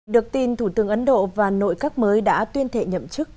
được tin thủ tướng ấn độ và nội các mới đã tuyên thệ nhậm chức